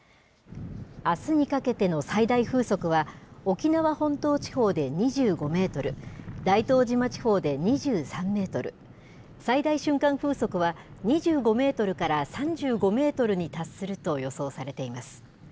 あすにかけての最大風速は、沖縄本島地方で２５メートル、大東島地方で２３メートル、最大瞬間風速は２５メートルから３５メートルに達すると予想されています。